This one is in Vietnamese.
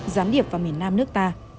gián điệp vào miền nam nước ta